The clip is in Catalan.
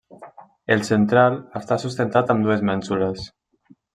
El central està sustentat amb dues mènsules.